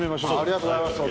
ありがとうございます